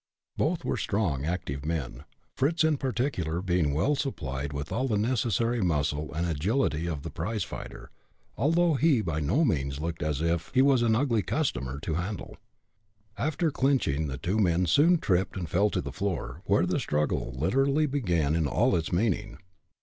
Both were strong, active men, Fritz in particular being well supplied with all the necessary muscle and agility of the prize fighter, although he by no means looked as if he was an "ugly customer" to handle. After clinching the two men soon tripped and fell to the floor, where the struggle literally began in all its meaning.